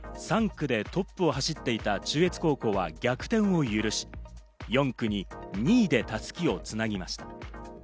３区でトップを走っていた中越高校は逆転を許し、４区２位で襷をつなぎました。